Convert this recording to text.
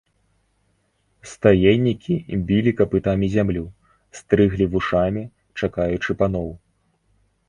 Стаеннікі білі капытамі зямлю, стрыглі вушамі, чакаючы паноў.